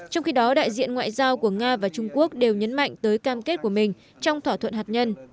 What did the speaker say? trong khi đó đại diện ngoại giao của nga và trung quốc đều nhấn mạnh tới cam kết của mình trong thỏa thuận hạt nhân